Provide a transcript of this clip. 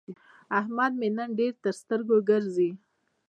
احمد مې نن ډېر تر سترګو ګرځي.